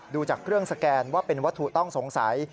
ดูจากเครื่องสแกนว่าเป็นวัตถุต้องสงสัย